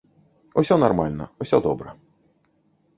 Усё нармальна, усё добра.